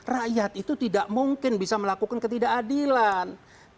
rakyat itu tidak mungkin bisa melakukan ketidakadilan